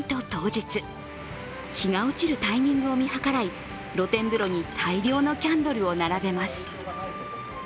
日が落ちるタイミングを見計らい、露天風呂に大量のキャンドルを並べます。